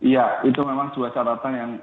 ya itu memang dua catatan yang